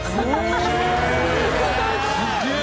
すげえ！